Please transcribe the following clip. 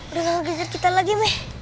udah gak ngejar kita lagi meh